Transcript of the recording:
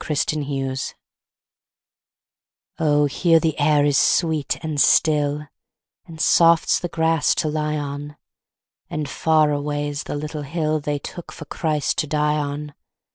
THE LITTLE HILL OH, here the air is sweet and still, And soft's the grass to lie on; And far away's the little hill They took for Christ to die on.